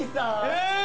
えっ！